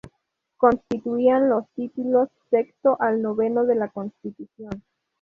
Constituían los títulos sexto al noveno de la Constitución.